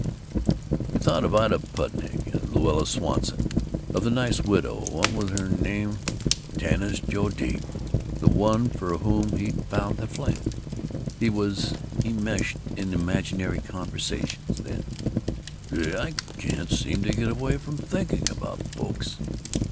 He thought of Ida Putiak, of Louetta Swanson, of that nice widow what was her name? Tanis Judique? the one for whom he'd found the flat. He was enmeshed in imaginary conversations. Then: "Gee, I can't seem to get away from thinking about folks!"